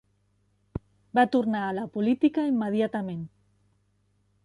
Va tornar a la política immediatament.